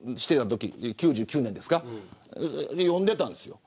１９９９年ですか読んでいたんですよ。